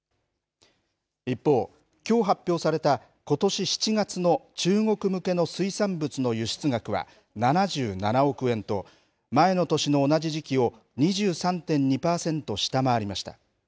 一方、きょう発表されたことし７月の中国向けの水産物の輸出額は７７億円と、前の年の同じ時期を２３．２％下回りました。